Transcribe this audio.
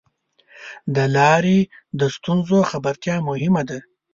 د لارې د ستونزو خبرتیا مهمه ده.